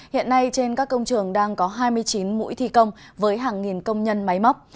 hiện nay trên các công trường đang có hai mươi chín mũi thi công với hàng nghìn công nhân máy móc